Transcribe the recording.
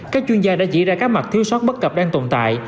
các chuyên gia đã chỉ ra các mặt thiếu sót bất cập đang tồn tại